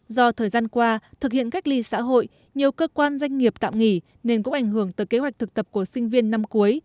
do thời gian qua thực hiện cách ly xã hội nhiều cơ quan doanh nghiệp tạm nghỉ nên cũng ảnh hưởng tới kế hoạch thực tập của sinh viên năm cuối